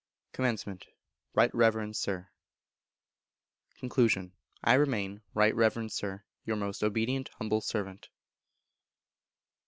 Comm. Right Reverend Sir. Con. I remain, Right Reverend Sir, Your most obedient humble servant.